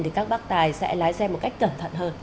thì các bác tài sẽ lái xe một cách cẩn thận hơn